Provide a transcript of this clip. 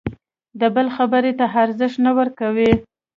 د بل خبرې ته ارزښت نه ورکوي.